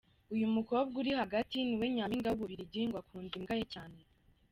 Uyu mukobwa uri hagati niwe Nyampinga w’Ububiligi ngo akunda imbwa ye cyane.